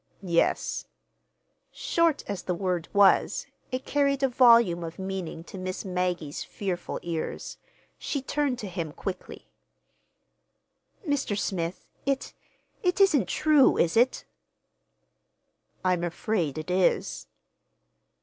"Yes." Short as the word was, it carried a volume of meaning to Miss Maggie's fearful ears. She turned to him quickly. "Mr. Smith, it—it isn't true, is it?" "I'm afraid it is."